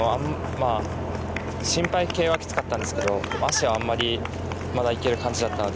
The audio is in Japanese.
心肺系はきつかったんですけど、足はまだいける感じだったので。